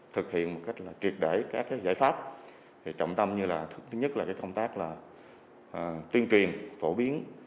thực hiện một cách truyệt đẩy các giải pháp trọng tâm thứ nhất là công tác tuyên truyền phổ biến